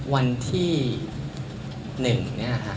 วันที่๑พฤศจินี้